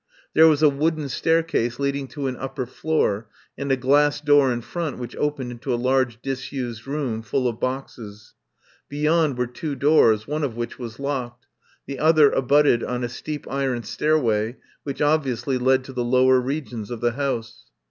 There was a wooden staircase leading to an upper floor, and a glass door in front which opened into a large disused room full of boxes. Be yond were two doors, one of which was locked. The other abutted on a steep iron stairway which obviously led to the lower re gions of the house.